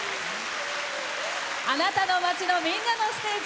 あなたの街の、みんなのステージ